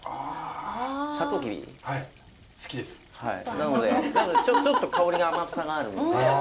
なのでちょっと香りに甘さがあるんで。